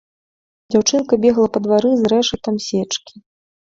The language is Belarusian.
Дзяўчынка бегла па двары з рэшатам сечкі.